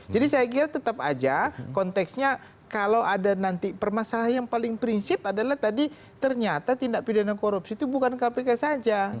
jadi saya kira tetap aja konteksnya kalau ada nanti permasalahan yang paling prinsip adalah tadi ternyata tindak pidana korupsi itu bukan kpk saja